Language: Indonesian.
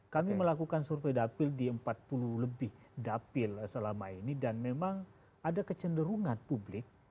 kami melakukan survei dapil di empat puluh lebih dapil selama ini dan memang ada kecenderungan publik